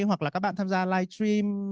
hoặc là các bạn tham gia live stream